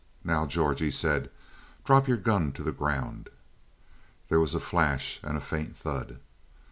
"Now, George," he said, "drop your gun to the ground." There was a flash and faint thud.